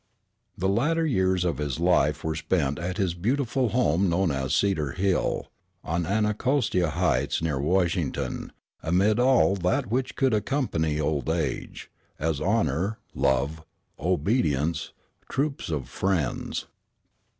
The latter years of his life were spent at his beautiful home known as Cedar Hill, on Anacostia Heights, near Washington, amid all "that which should accompany old age, As honor, love, obedience, troops of friends."